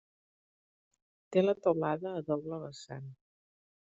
Té la teulada a doble vessant.